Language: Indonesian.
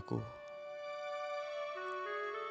aku bisa jadi suami yang baik